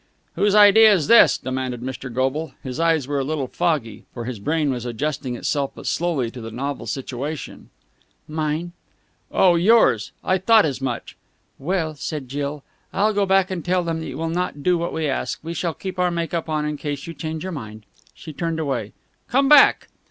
"Whose idea's this?" demanded Mr. Goble. His eyes were a little foggy, for his brain was adjusting itself but slowly to the novel situation. "Mine." "Oh, yours! I thought as much!" "Well," said Jill, "I'll go back and tell them that you will not do what we ask. We will keep our make up on in case you change your mind." She turned away. "Come back!"